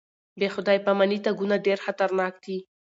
بې خدای پاماني تګونه ډېر خطرناک دي.